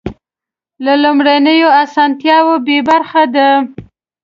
له لومړیو اسانتیاوو بې برخې دي.